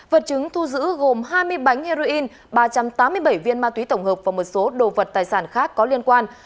vật chứng thu giữ gồm hai mươi bánh heroin ba trăm tám mươi bảy viên ma túy tổng hợp và một số đồ vật tài sản khác có liên quan